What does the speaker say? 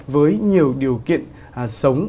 với nhiều điều kiện sống